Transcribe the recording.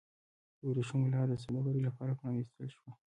د ورېښمو لاره د سوداګرۍ لپاره پرانیستل شوه.